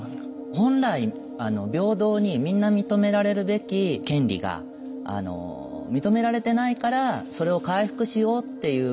本来平等にみんな認められるべき権利が認められてないからそれを回復しようっていう。